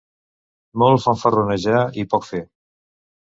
Molt fanfarronejar i poc fer.